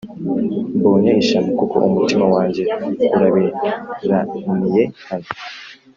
Mbonye ishyano kuko umutima wanjye urabiraniye hano